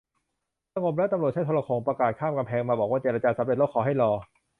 สงบแล้ว ตำรวจใช้โทรโข่งประกาศข้ามกำแพงมาบอกว่า เจรจาสำเร็จแล้ว ขอให้รอ